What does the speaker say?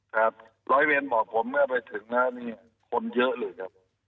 ครับร้อยเวนบอกผมเมื่อไปถึงนะคนเยอะเลยครับ